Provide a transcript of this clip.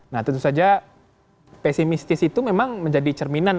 nah tentu saja pesimistis itu memang menjadi cerminan